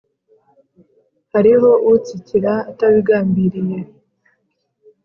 Hariho utsikira atabigambiriye;